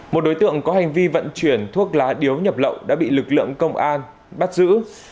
một đối tượng có hành vi vận chuyển thuốc lá điếu nhập lậu đã bị lực lượng công an bắt giữ